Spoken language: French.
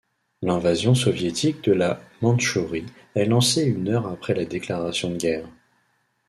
L'invasion soviétique de la Mandchourie est lancée une heure après la déclaration de guerre.